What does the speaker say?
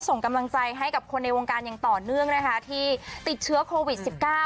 ส่งกำลังใจให้กับคนในวงการอย่างต่อเนื่องนะคะที่ติดเชื้อโควิด๑๙